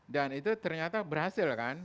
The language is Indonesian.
dan itu ternyata berhasil kan